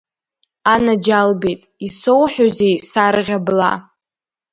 Анаџьалбеит, исоуҳәозеи, сарӷьа бла?